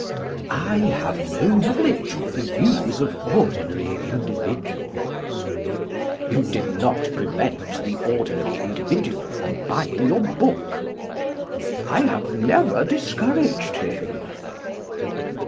I have no knowledge of the views of ordinary individuals. You did not prevent the ordinary individual from buying your book? I have never discouraged him.